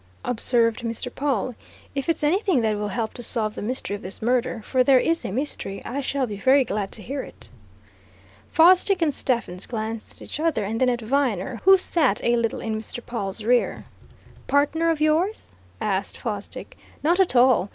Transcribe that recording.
observed Mr. Pawle. "If it's anything that will help to solve the mystery of this murder, for there is a mystery, I shall be very glad to hear it." Fosdick and Stephens glanced at each other and then at Viner, who sat a little in Mr. Pawle's rear. "Partner of yours?" asked Fosdick. "Not at all!